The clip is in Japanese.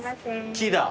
木だ。